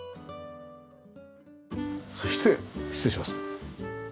そして失礼します。